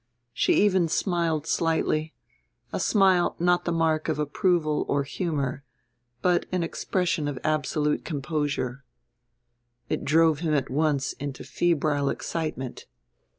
She even smiled slightly, a smile not the mark of approval or humor, but an expression of absolute composure. It drove him at once into febrile excitement.